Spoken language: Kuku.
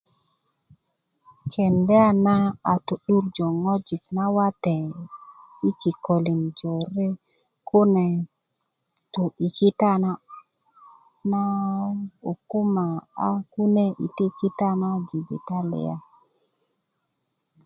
kenda na a to'durjo ŋojik nawate yi kikoli jore kune tu yi kita na ukuma a kune i ti kita na jibitaliya